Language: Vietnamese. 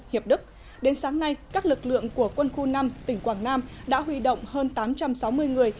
hiệp đức đến sáng nay các lực lượng của quân khu năm tỉnh quảng nam đã huy động hơn tám trăm sáu mươi người